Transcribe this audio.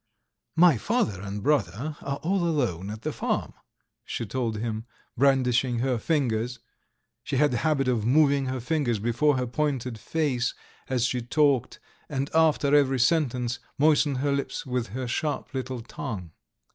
"My father and brother are all alone at the farm," she told him, brandishing her fingers (she had the habit of moving her fingers before her pointed face as she talked, and after every sentence moistened her lips with her sharp little tongue).